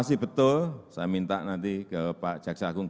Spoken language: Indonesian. masih betul saya minta nanti ke pak jaksa agung